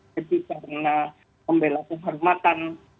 jadi karena pembela kehormatan